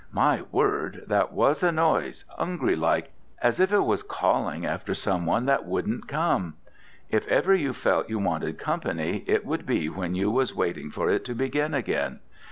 My word! that was a noise 'ungry like, as if it was calling after some one that wouldn't come. If ever you felt you wanted company, it would be when you was waiting for it to begin again.